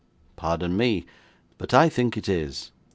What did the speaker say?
'Pardon me, but I think it is.